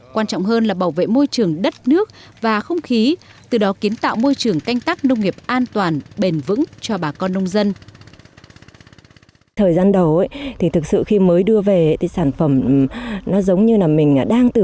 quan trọng hơn là bảo vệ môi trường đất nước và không khí từ đó kiến tạo môi trường canh tắc nông nghiệp an toàn bền vững cho bà con nông dân